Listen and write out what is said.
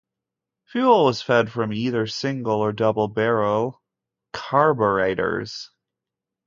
Fuel was fed from either single or double-barrel carburetors.